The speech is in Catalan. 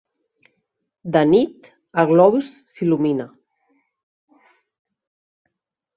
De nit el globus s'il·lumina.